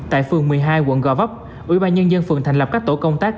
tại phường một mươi hai quận gò vấp ủy ban nhân dân phường thành lập các tổ công tác